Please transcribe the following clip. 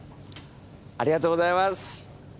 ありがとうございます。